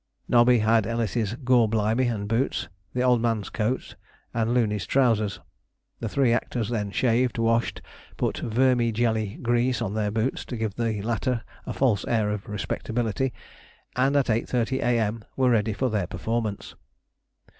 Nobby had Ellis's "Gor Blimy" and boots, the Old Man's coat, and Looney's trousers. The three actors then shaved, washed, put "Vermi jelly" grease on their boots to give the latter a false air of respectability, and at 8.30 A.M. were ready for their performance.